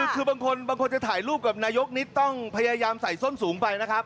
คือบางคนบางคนจะถ่ายรูปกับนายกนิดต้องพยายามใส่ส้นสูงไปนะครับ